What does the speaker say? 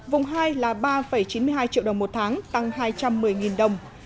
vùng hai là ba chín mươi hai triệu đồng một tháng tăng hai trăm một mươi đồng